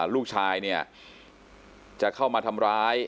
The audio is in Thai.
ลูกชายจะเข้ามาทำร้าย